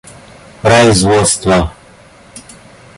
производства